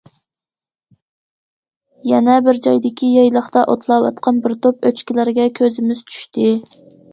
يەنە بىر جايدىكى يايلاقتا ئوتلاۋاتقان بىر توپ ئۆچكىلەرگە كۆزىمىز چۈشتى.